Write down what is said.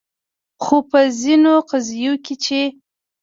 خو په ځینو قضیو کې چې